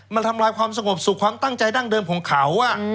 มันทำลายความสงบสู่ความตั้งใจดั้งเดิมของเขา